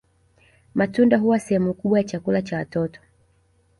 Matunda huwa sehemu kubwa ya chakula cha watoto